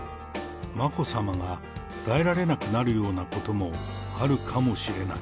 眞子さまが耐えられなくなるようなこともあるかもしれない。